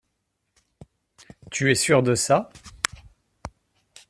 Tu es sûr de ça?